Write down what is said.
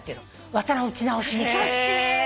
綿の打ち直しに来た。